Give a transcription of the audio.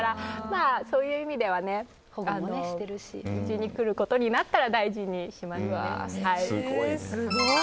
そういう意味ではうちに来ることになったら大事にしますね。